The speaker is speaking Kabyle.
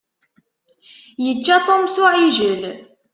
Yečča Tom s uɛijel.